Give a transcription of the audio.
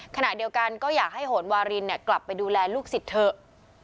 ขณะเดียวกันก็อยากให้โหนวารินกลับไปดูแลลูกศิษย์เถอะ